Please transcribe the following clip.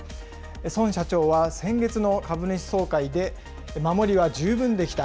孫社長は先月の株主総会で、守りは十分できた。